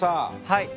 はい。